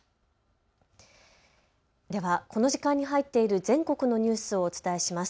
ではこの時間に入っている全国のニュースをお伝えします。